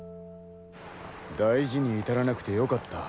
大事に至らなくてよかった。